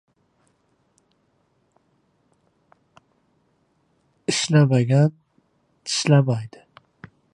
• Ishlamagan tishlamaydi.